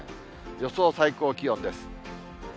予想最高気温です。